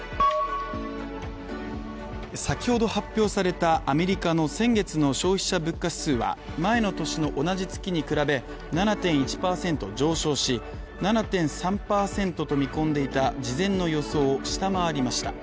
先ほど発表されたアメリカの先月の消費者物価指数は前の年の同じ月に比べ７．１％上昇し７．３％と見込んでいた事前の予想を下回りました。